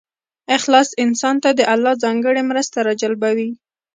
اخلاص انسان ته د الله ځانګړې مرسته راجلبوي.